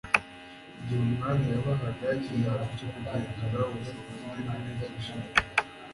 igihe umwami yabahaga ikizamini cyo kugenzura ubushobozi n'ibyo bigishijwe